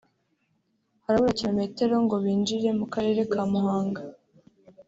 harabura kilometero ngo binjire mu Karere ka Muhanga